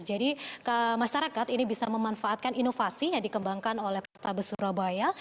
jadi masyarakat ini bisa memanfaatkan inovasi yang dikembangkan oleh pertabes surabaya